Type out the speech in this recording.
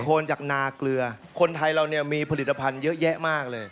โคนจากนาเกลือคนไทยเราเนี่ยมีผลิตภัณฑ์เยอะแยะมากเลย